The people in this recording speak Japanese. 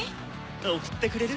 送ってくれる？